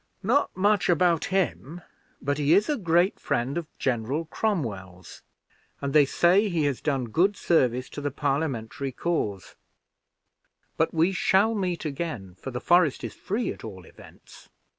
"Not much about him, but he is a great friend of General Cromwell, and they say has done good service to the Parliamentary cause; but we shall meet again, for the forest is free at all events."